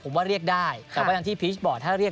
ผมว่าเรียกได้แต่ว่าที่พีชบอร์ด